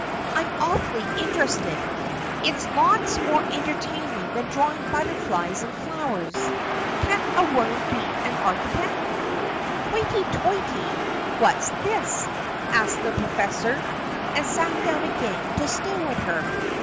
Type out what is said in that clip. I'm awfully interested. It's lots more entertaining than drawing butterflies and flowers. Can't a woman be an architect?" "Hoity toity! what's this?" asked the professor, and sat down again to stare at her.